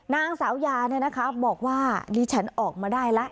นางสาวญาเนี้ยนะคะบอกว่ากรีฉันออกมาได้ละ